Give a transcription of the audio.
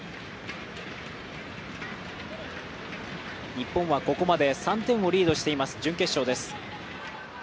日本はここまで３点をリードしています、準決勝です。